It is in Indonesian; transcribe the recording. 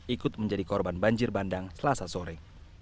ikut menjadi korban banjir bandang selasa sore